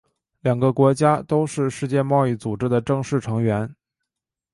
两个国家都是世界贸易组织的正式成员。